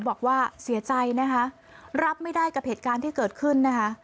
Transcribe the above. บอกว่าเสียใจนะคะรับไม่ได้กับเหตุการณ์ที่เกิดขึ้นนะคะ